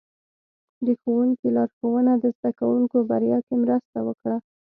د ښوونکي لارښوونه د زده کوونکو بریا کې مرسته وکړه.